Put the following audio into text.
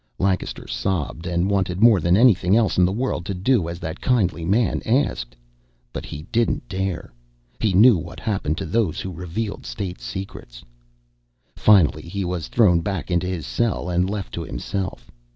Lancaster sobbed and wanted more than anything else in the world to do as that kindly man asked. But he didn't dare. He knew what happened to those who revealed state secrets. Finally he was thrown back into his cell and left to himself.